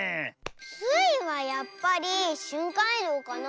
スイはやっぱりしゅんかんいどうかな。